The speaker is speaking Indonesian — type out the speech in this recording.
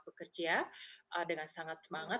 bekerja dengan sangat semangat